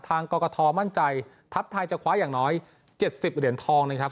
กรกฐมั่นใจทัพไทยจะคว้าอย่างน้อย๗๐เหรียญทองนะครับ